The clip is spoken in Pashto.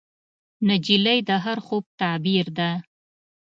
نجلۍ د هر خوب تعبیر ده.